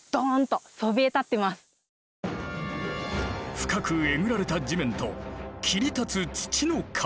深くえぐられた地面と切り立つ土の壁。